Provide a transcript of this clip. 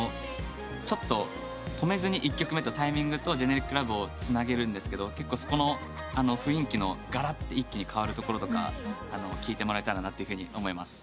ちょっと止めずに１曲目『タイミングＴｉｍｉｎｇ』と『ジェネリックラブ』をつなげるんですけどそこの雰囲気のがらっと一気に変わるところとか聴いてもらえたらと思います。